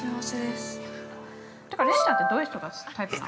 ◆ってか、恋ちゃんってどういう人がタイプなの？